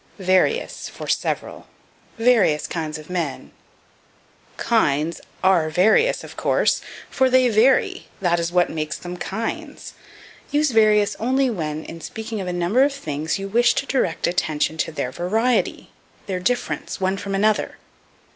Various for Several. "Various kinds of men." Kinds are various of course, for they vary that is what makes them kinds. Use various only when, in speaking of a number of things, you wish to direct attention to their variety their difference, one from another.